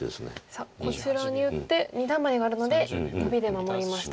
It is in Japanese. さあこちらに打って二段バネがあるのでノビで守りました。